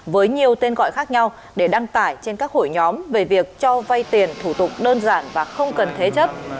với nhiều tên gọi khác nhau để đăng tải trên các hội nhóm về việc cho vay tiền thủ tục đơn giản và không cần thế chấp